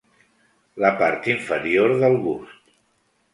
La part inferior del bust.